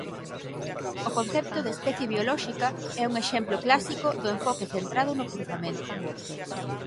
O concepto de especie biolóxica é un exemplo clásico do enfoque centrado no cruzamento.